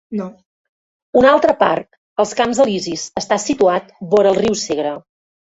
Un altre parc, els Camps Elisis, està situat vora el riu Segre.